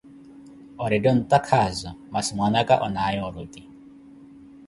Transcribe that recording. Orette ontakhazo, masi mwana aka onaawe oruti!